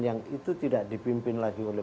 yang itu tidak dipimpin lagi oleh